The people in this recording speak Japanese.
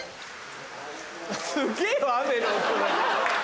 すげぇよ雨の音が。